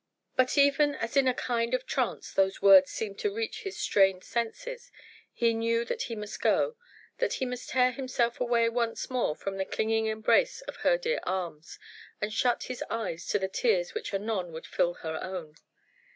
But even as in a kind of trance those words seemed to reach his strained senses, he knew that he must go, that he must tear himself away once more from the clinging embrace of her dear arms and shut his eyes to the tears which anon would fill her own.